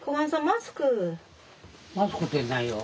マスクてないよ。